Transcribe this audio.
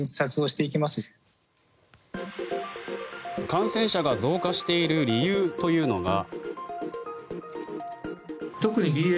感染者が増加している理由というのが。